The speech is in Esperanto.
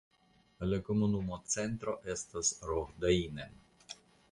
La komunuma centro estas Rohdainen.